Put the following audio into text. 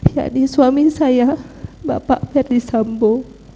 yakni suami saya bapak ferdis sambo